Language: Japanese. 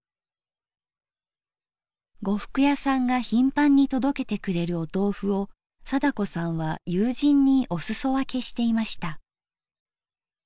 呉服屋さんが頻繁に届けてくれるおとうふを貞子さんは友人にお裾分けしていました。